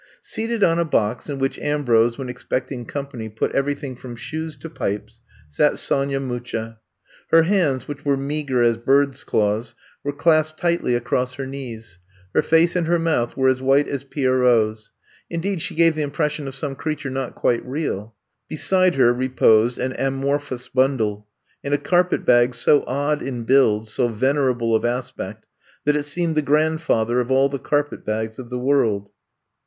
Seated on a box in which Ambrose, when expecting company, put everything from shoes to pipes, sat Sonya Mucha. Her hands, which were meager as bird's claws, were clasped tightly across her knees. Her face and her mouth were as white as Pierrot's. Indeed, she gave the impression of some creature not quite real. Beside her reposed an amorphous bundle, and a carpet bag so odd in build, so venerable of aspect, that it seemed the grandfather of all the carpet bags of the world.